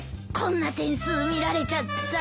こんな点数見られちゃった。